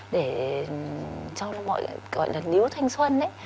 để cho mọi người gọi là níu thanh xuân ấy